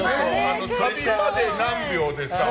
サビまで何秒ですとか。